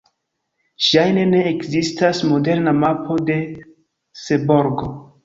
Ŝajne ne ekzistas moderna mapo de Seborgo.